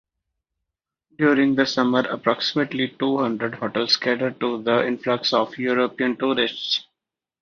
During the summer approximately two hundred hotels cater to the influx of European tourists.